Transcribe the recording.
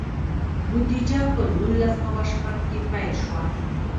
بودیجه په نولس سوه شپږ کې پیل شوه.